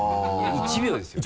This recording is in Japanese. １秒ですよね？